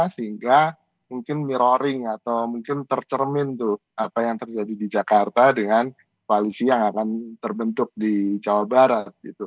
sehingga mungkin mirroring atau mungkin tercermin tuh apa yang terjadi di jakarta dengan koalisi yang akan terbentuk di jawa barat